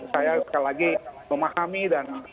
saya sekali lagi memahami dan